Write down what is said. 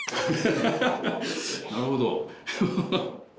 なるほど！